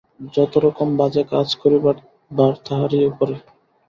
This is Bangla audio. যতরকমের বাজে কাজ করিবার ভার তাহারই উপরে।